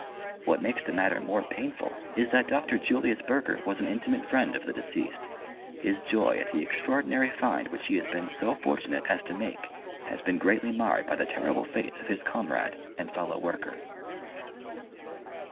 What makes the matter more painful is that Dr. Julius Burger was an intimate friend of the deceased. His joy at the extraordinary find which he has been so fortunate as to make has been greatly marred by the terrible fate of his comrade and fellow worker.